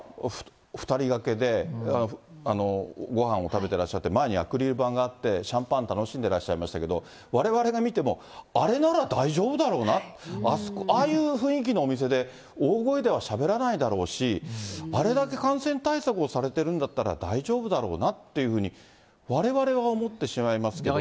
２人がけでごはんを食べてらっしゃって、前にアクリル板があって、シャンパン楽しんでらっしゃいましたけど、われわれが見ても、あれなら大丈夫だろうな、ああいう雰囲気のお店で大声ではしゃべらないだろうし、あれだけ感染対策をされてるんだったら大丈夫だろうなっていうふうに、われわれは思ってしまいますけども。